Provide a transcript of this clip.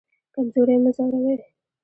کمزوری مه ځوروئ